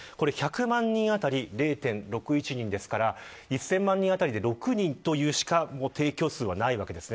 １００万人あたり０．６１人ですから１０００万人当たりで６人しか提供がないわけです。